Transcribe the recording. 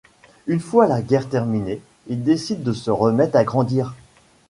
Une fois la guerre terminée, il décide de se remettre à grandir.